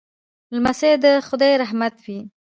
لمسی د خدای رحمت وي.